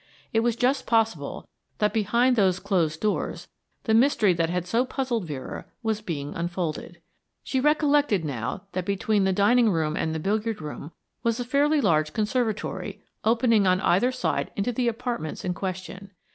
It was just possible that behind those closed doors the mystery that had so puzzled Vera was being unfolded. She recollected now that between the dining and the billiard room was a fairly large conservatory opening on either side into the apartments in question.